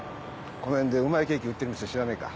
この辺でうまいケーキを売ってる店知らないか？